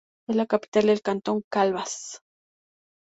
Es la capital del cantón Calvas.